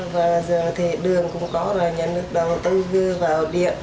và giờ thì đường cũng có rồi nhà nước đầu tư gư vào điện